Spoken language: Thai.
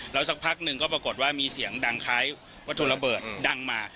แล้วสักพักหนึ่งก็ปรากฏว่ามีเสียงดังคล้ายวัตถุระเบิดดังมา